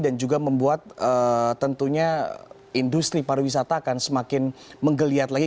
dan juga membuat tentunya industri pariwisata akan semakin menggeliat lagi